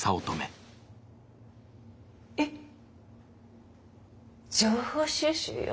えっ？情報収集よ。